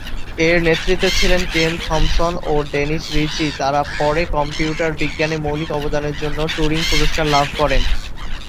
এর নেতৃত্বে ছিলেন কেন থমসন ও ডেনিস রিচি, তারা পরে কম্পিউটার বিজ্ঞানে মৌলিক অবদানের জন্য টুরিং পুরস্কার লাভ করেন।